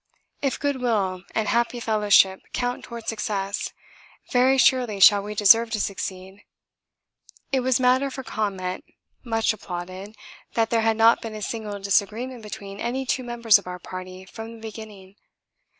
If good will and happy fellowship count towards success, very surely shall we deserve to succeed. It was matter for comment, much applauded, that there had not been a single disagreement between any two members of our party from the beginning.